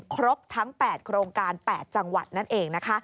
ครบทั้ง๘โครงการ๘จังหวัดนั่นเองนะคะ